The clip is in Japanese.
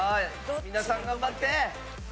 皆さん頑張って！